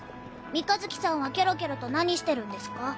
三日月さんはキョロキョロと何してるんですか？